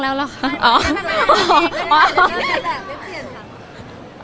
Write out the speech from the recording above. อะอะไรล่ะครับ